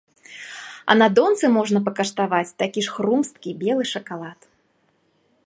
А на донцы можна пакаштаваць такі ж хрумсткі белы шакалад.